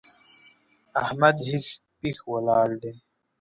احمد هېښ پېښ ولاړ دی!